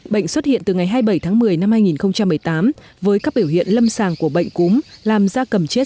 bệnh xuất hiện từ ngày hai mươi bảy tháng một mươi năm hai nghìn một mươi tám với các biểu hiện lâm sàng của bệnh cúm làm da cầm chết